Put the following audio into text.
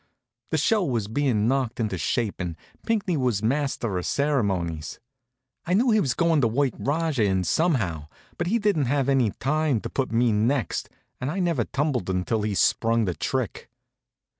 The show was being knocked into shape and Pinckney was master of ceremonies. I knew he was goin' to work Rajah in somehow; but he didn't have any time to put me next and I never tumbled until he'd sprung the trick.